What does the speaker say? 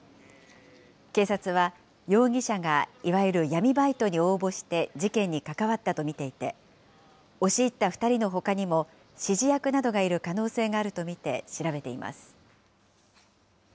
警察は、容疑者がいわゆる闇バイトに応募して事件に関わったと見ていて、押し入った２人のほかにも、指示役などがいる可能性があると見て、調べています。